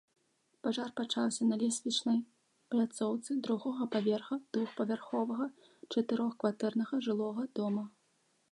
Пажар пачаўся на лесвічнай пляцоўцы другога паверха двухпавярховага чатырохкватэрнага жылога дома.